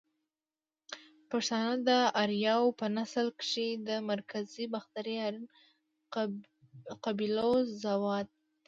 پښتانه ده اریاو په نسل کښی ده مرکزی باختر آرین قبیلو زواد دی